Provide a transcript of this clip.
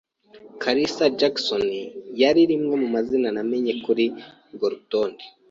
kalisa Jackson yari rimwe mu mazina namenye kuri urwo rutonde.